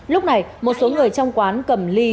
lúc này một số người trong quán cầm ly